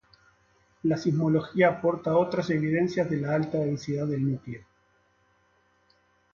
La sismología aporta otras evidencias de la alta densidad del núcleo.